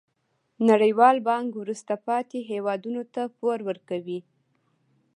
نړیوال بانک وروسته پاتې هیوادونو ته پور ورکوي.